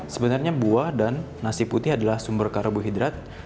sebenarnya buah dan nasi putih adalah sumber karbohidrat